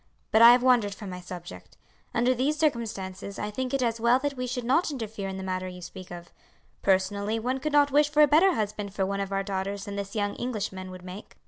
But I have wandered from my subject. Under these circumstances I think it as well that we should not interfere in the matter you speak of. Personally one could not wish for a better husband for one of our daughters than this young Englishman would make.